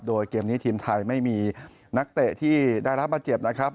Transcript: โดยเกมนี้ทีมไทยไม่มีนักเตะที่ได้รับบาดเจ็บนะครับ